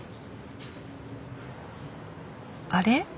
あれ？